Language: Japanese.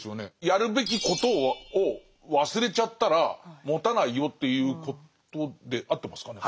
やるべきことを忘れちゃったらもたないよっていうことで合ってますかね？